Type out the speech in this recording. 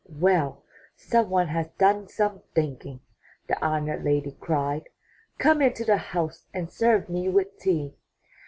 Well, someone has done some thinking!" the honored lady cried. ''Come into the house and serve me with tea!"